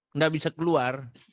gak bisa keluar